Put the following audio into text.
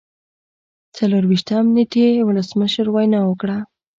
څلور ویشتم نیټې ولسمشر وینا وکړه.